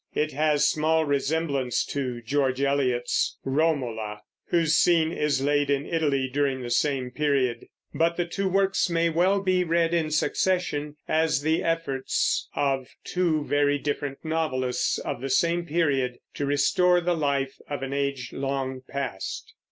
It has small resemblance to George Eliot's Romola, whose scene is laid in Italy during the same period; but the two works may well be read in succession, as the efforts of two very different novelists of the same period to restore the life of an age long past.